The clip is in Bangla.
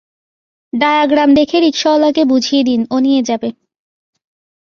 ডায়াগ্রাম দেখে রিকশাওয়ালাকে বুঝিয়ে দিন, ও নিয়ে যাবে।